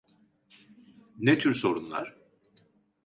Ne tür sorunlar?